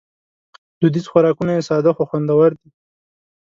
دودیز خوراکونه یې ساده خو خوندور دي.